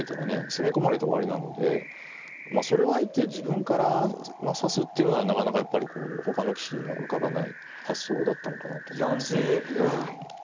攻め込まれて終わりなのでまあそれをあえて自分から指すっていうのはなかなかやっぱりこうほかの棋士には浮かばない発想だったのかなと思いますね。